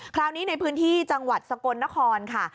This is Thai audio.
คราวนี้ในพื้นที่จังหวัดสกลนครค่ะ